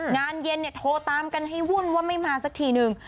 งานเย็นเนี่ยโทรตามกันให้วุ่นว่าไม่มาสักทีนึง